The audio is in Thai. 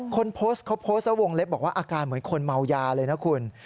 คนโพสต์เขาโพสต์แล้ววงเล็บบอกว่าอาการเหมือนคนเมายาเลยนะคุณ